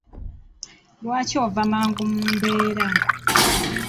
Lwaki ova mangu mu mbeera?